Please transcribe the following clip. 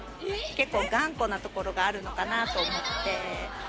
結構頑固なところがあるのかなと思って。